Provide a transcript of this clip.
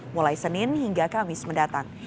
mulai senin hingga kamis mendatang